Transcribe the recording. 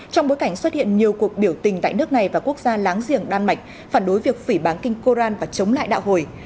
trong bối cảnh xuất hiện nhiều cuộc biểu tình tại nước này và quốc gia láng giềng đan mạch phản đối việc phỉ bán kinh koran và chống lại đạo hồi